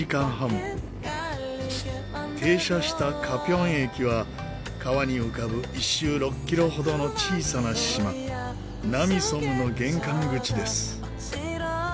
停車した加平駅は川に浮かぶ１周６キロほどの小さな島南怡島の玄関口です。